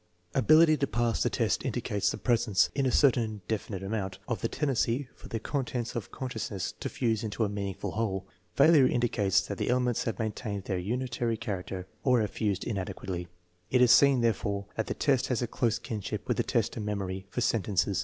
Ability to pass the test indicates the presence, in a cer tain definite amount, of the tendency for the contents of consciousness to fuse into a meaningful whole. Failure in dicates that the elements have maintained their unitary character or have fused inadequately. It is seen, therefore, that the test has a close kinship with the test of memory for sentences.